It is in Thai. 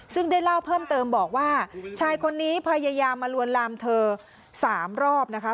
ซึ่งได้เล่าเพิ่มเติมบอกว่าชายคนนี้พยายามมาลวนลามเธอ๓รอบนะคะ